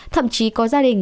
thậm chí có gia đình